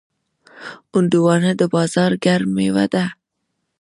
هندوانه د بازار ګرم میوه ده.